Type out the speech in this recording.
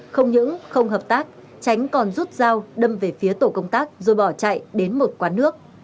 không những không hợp tác tránh còn rút dao đâm về phía tổ công tác rồi bỏ chạy đến một quán nước